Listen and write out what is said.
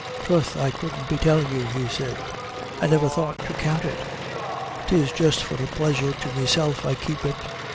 "Troth, I couldn't be tellin' you," he said; "I never thought to count it. 'Tis just for a pleasure to meself I keep it.